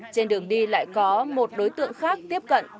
trên đường đi lại có một đối tượng khác tiếp cận